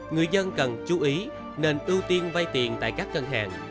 người dân cần chú ý nên ưu tiên vay tiền tại các ngân hàng